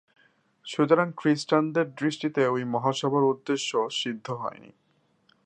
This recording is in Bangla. সুতরাং খ্রীষ্টানদের দৃষ্টিতে ঐ মহাসভার উদ্দেশ্য সিদ্ধ হয়নি।